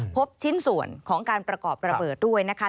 พบชิ้นส่วนของการประกอบระเบิดด้วยนะคะ